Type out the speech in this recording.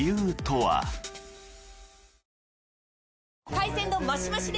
海鮮丼マシマシで！